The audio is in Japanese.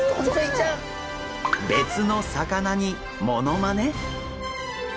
別の魚にモノマネ！？